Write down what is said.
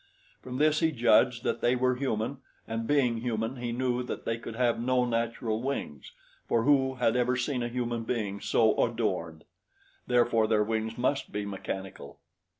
From this he judged that they were human, and being human, he knew that they could have no natural wings for who had ever seen a human being so adorned! Therefore their wings must be mechanical.